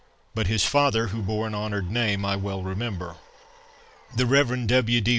But his father, who bore an honoured name, I well remember. The Rev. W. D.